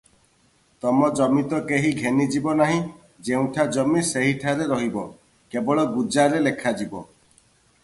ତମ ଜମି ତ କେହି ଘେନିଯିବ ନାହିଁ, ଯେଉଁଠା ଜମି ସେହିଠାରେ ରହିବ, କେବଳ ଗୁଜାରେ ଲେଖାଯିବ ।